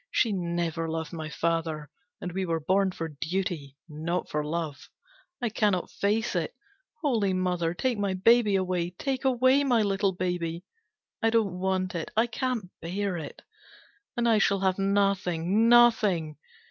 She never loved my father, and we were born for duty, not for love. I cannot face it. Holy Mother, take my baby away! Take away my little baby! I don't want it, I can't bear it! And I shall have nothing, nothing!